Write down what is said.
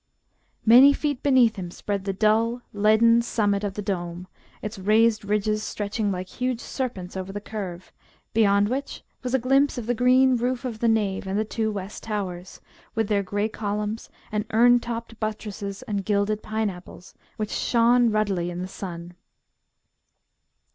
Many feet beneath him spread the dull, leaden summit of the dome, its raised ridges stretching, like huge serpents over the curve, beyond which was a glimpse of the green roof of the nave and the two west towers, with their grey columns and urn topped buttresses and gilded pineapples, which shone ruddily in the sun.